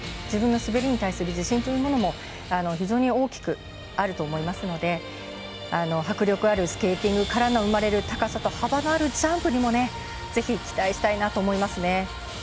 自分の滑りに対する自信というものも非常に大きくあると思いますので迫力あるスケーティングから生まれる、高さと幅のあるジャンプにも注目したいですね。